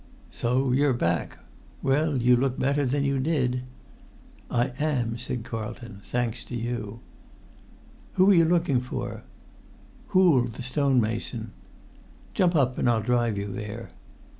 "So you're back? Well, you look better than you did." "I am," said Carlton, "thanks to you." "Who are you looking for?" "Hoole, the stonemason." "Jump up and I'll drive you there."